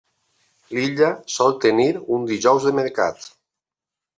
L'illa sol tenir un dijous de mercat.